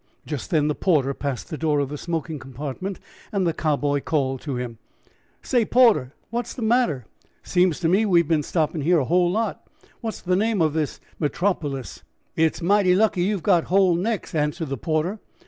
Just then the porter passed the door of the smoking compartment, and the Cowboy called to him: "Say, porter, what's the matter? Seems to me we have been stoppin' here a whole lot. What's the name of this metropolis?" "It's mighty lucky you've got whole necks," answered the porter.